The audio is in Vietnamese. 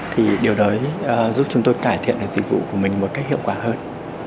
thì điều đó giúp chúng tôi cải thiện dịch vụ của mình một cách hiệu quả hơn